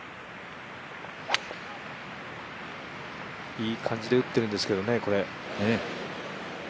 いい感じで打ってるんですけどね、これ。